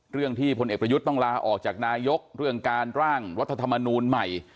ที่พลเอกประยุทธ์ต้องลาออกจากนายกเรื่องการร่างรัฐธรรมนูลใหม่